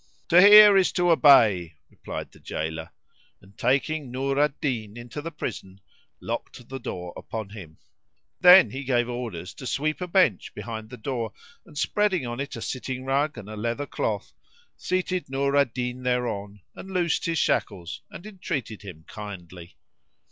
"To hear is to obey," replied the jailor and, taking Nur al Din into the prison, locked the door upon him. Then he gave orders to sweep a bench behind the door and, spreading on it a sitting rug and a leather cloth, seated Nur al Din thereon and loosed his shackles and entreated him kindly.